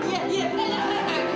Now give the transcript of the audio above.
gila bener dah